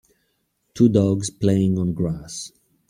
Two dogs playing on grass.